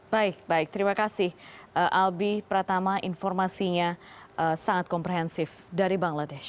baik baik terima kasih albi pratama informasinya sangat komprehensif dari bangladesh